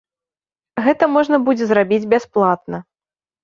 Гэта можна будзе зрабіць бясплатна.